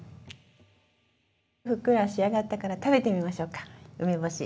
ふっくら仕上がったから食べてみましょうか梅干し。